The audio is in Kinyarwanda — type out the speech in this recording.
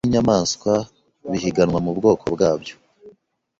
abantu n’inyamaswa bihiganwa mu bwoko bwabyo